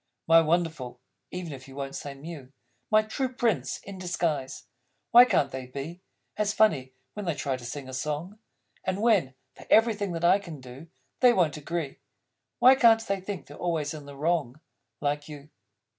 My Wonderful (even if you Won't say Mew), My True Prince in Disguise! Why can't they be As funny, when they try to sing a song? And when, for everything that I can do, They Won't Agree, Why can't they think they're always in the wrong? Like You!